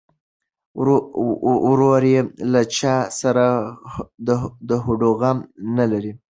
ورور یې له چا سره هډوغم نه لري.